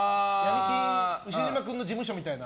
ウシジマ君の事務所みたいな。